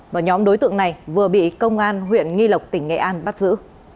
và nhóm đối tượng này vừa bị công an huyện nghi lộc tỉnh nghệ an bắt giữ